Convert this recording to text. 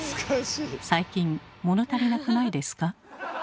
最近物足りなくないですか？